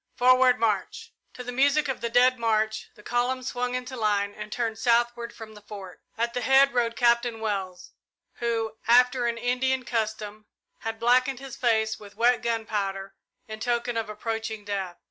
Forward march!" To the music of the Dead March the column swung into line and turned southward from the Fort. At the head rode Captain Wells, who, after an Indian custom, had blackened his face with wet gunpowder in token of approaching death.